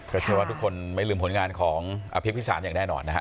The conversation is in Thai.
เชื่อว่าทุกคนไม่ลืมผลงานของอภิกพิสารอย่างแน่นอนนะฮะ